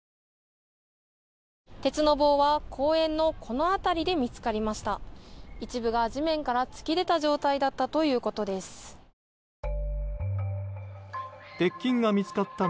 鉄の棒は公園のこの辺りで見つかりました。